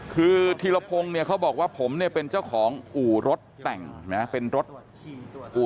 คือทิรพงเขาบอกว่าผมเนี่ยเป็นเจ้าของอุรถแต่งมึงฮะ